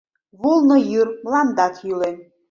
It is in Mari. Вулно йӱр, мландат йӱлен.